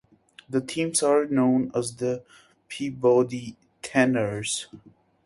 The teams are known as the Peabody Tanners.